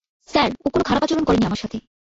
Sir, ও কোনো খারাপ আচরণ করেনি আমার সাথে।